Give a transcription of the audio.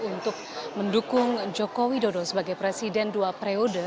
untuk mendukung jokowi dodo sebagai presiden dua periode